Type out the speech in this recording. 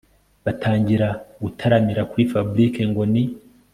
batangira gutaramira kuri Fabric ngo ni